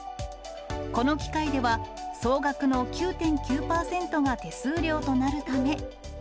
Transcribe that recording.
この機械では総額の９．９％が手数料となるため。